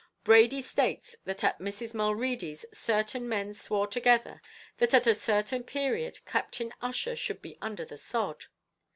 Brady states that at Mrs. Mulready's certain men swore together that at a certain period Captain Ussher should be under the sod.